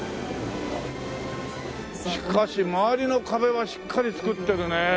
しかし周りの壁はしっかり造ってるね